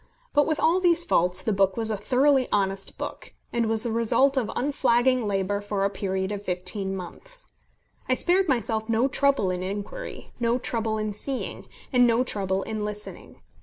But with all these faults the book was a thoroughly honest book, and was the result of unflagging labour for a period of fifteen months. I spared myself no trouble in inquiry, no trouble in seeing, and no trouble in listening.